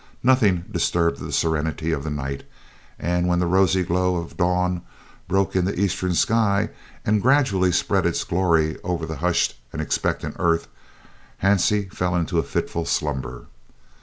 Nothing disturbed the serenity of the night, and when the rosy glow of dawn broke in the eastern sky and gradually spread its glory over the hushed and expectant earth, Hansie fell into a fitful slumber.